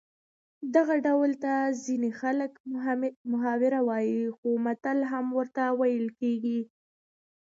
دغه ډول ته ځینې خلک محاوره وايي خو متل هم ورته ویل کېږي